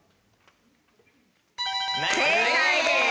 正解です。